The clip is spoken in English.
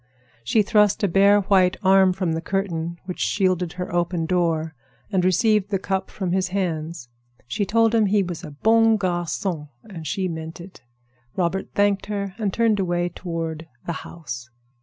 She thrust a bare, white arm from the curtain which shielded her open door, and received the cup from his hands. She told him he was a bon garçon, and she meant it. Robert thanked her and turned away toward "the house."